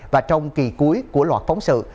và trong kỳ cuối của loạt phóng sự